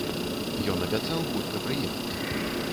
Ён абяцаў хутка прыехаць.